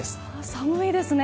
寒いですね。